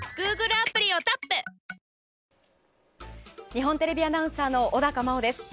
日本テレビアナウンサーの小高茉緒です。